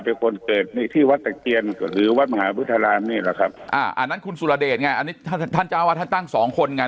เป็นคนเกิดที่วัดตะเกียร์หรือวัดมหาวิทยาลัยนี่หรอครับอ่านั้นคุณสุรเดชอันนี้ท่านเจ้าว่าท่านตั้งสองคนไง